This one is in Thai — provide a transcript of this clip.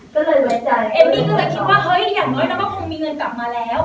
ก็เลยไว้ใจเอมมี่ก็เลยคิดว่าเฮ้ยอย่างน้อยเราก็คงมีเงินกลับมาแล้ว